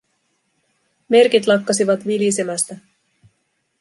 Merkit lakkasivat vilisemästä.